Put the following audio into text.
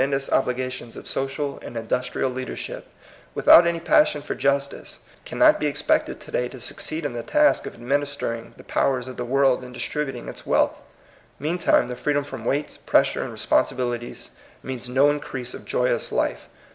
dous obligations of social and industrial leadership, without any passion for justice, cannot be expected to day to succeed in the task of administering the powers of the world and distributing its wealth. Meantime the freedom from weights, pressure, and responsibilities means no in crease of joyous life.